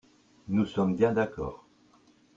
Nous sommes bien d’accord